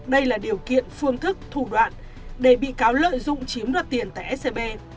đây là điều kiện phương thức thủ đoạn để bị cáo lợi dụng chiếm đoạt tiền tại scb